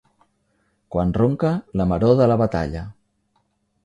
Quan ronca la maror de la batalla.